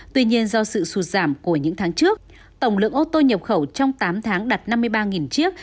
tuy nhiên do sự sụt giảm của những tháng trước tổng lượng ô tô nhập khẩu trong tám tháng đặt năm mươi ba chiếc